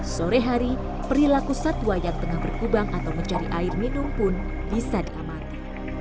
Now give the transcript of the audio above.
sore hari perilaku satwa yang tengah berkubang atau mencari air minum pun bisa diamati